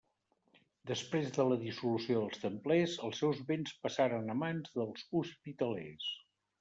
Després de la dissolució dels templers els seus béns passaren a mans dels hospitalers.